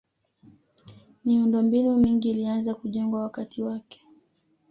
miundombinu mingi ilianza kujengwa wakati wake